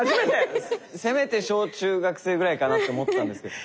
せめて小・中学生ぐらいかなと思ったんですけど。